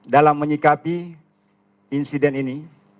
dalam menyikapi insiden ini